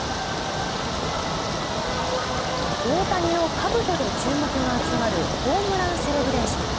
大谷のかぶとで注目が集まるホームランセレブレーション。